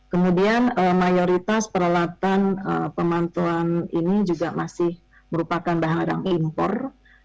kemudian mayoritas peralatan pemantuan ini juga masih merupakan bahan impor